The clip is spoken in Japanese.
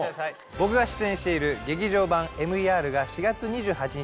僕が出演している劇場版「ＭＥＲ」が４月２８日